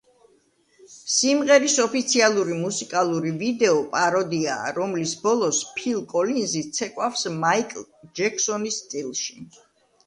სიმღერის ოფიციალური მუსიკალური ვიდეო პაროდიაა, რომლის ბოლოს ფილ კოლინზი ცეკვავს მაიკლ ჯექსონის სტილში.